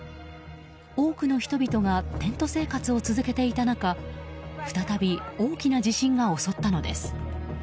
多くの人々がテント生活を続けていた中再び、大きな地震が襲ったのです。